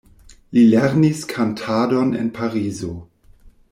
Li lernis kantadon en Parizo.